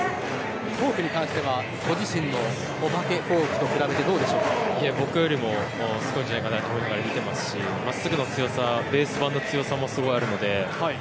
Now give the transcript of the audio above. フォークはご自身のお化けフォークと比べて僕よりもすごいんじゃないかと思いながら見ていますし真っすぐの強さベース板の強さもあるので。